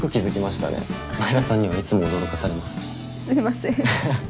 すいません。